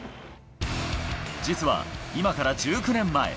実は今から１９年前。